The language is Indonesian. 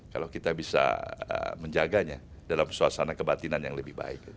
kalau kita bisa menjaganya dalam suasana kebatinan yang lebih baik